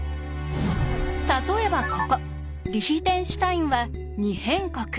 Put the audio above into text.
例えばここリヒテンシュタインは「二辺国」。